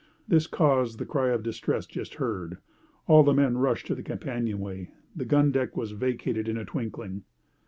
This caused the cry of distress just heard. All the men rushed to the companion way. The gun deck was vacated in a twinkling.